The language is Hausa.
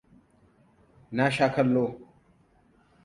Na sha kallo.